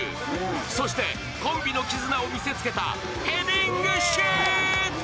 そして、コンビの絆を見せつけたヘディングシュート！